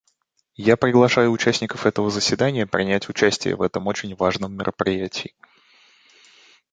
Я приглашаю участников этого заседания принять участие в этом очень важном мероприятии.